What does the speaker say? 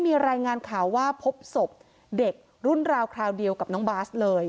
มีรายงานข่าวว่าพบศพเด็กรุ่นราวคราวเดียวกับน้องบาสเลย